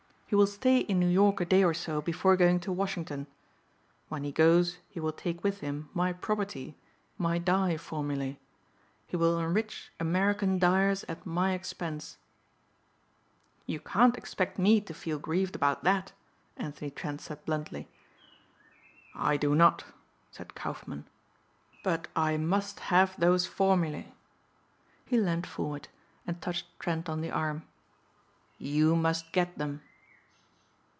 He will stay in New York a day or so before going to Washington. When he goes he will take with him my property, my dye formulae. He will enrich American dyers at my expense." "You can't expect me to feel grieved about that," Anthony Trent said bluntly. "I do not," said Kaufmann. "But I must have those formulae." He leaned forward and touched Trent on the arm. "You must get them."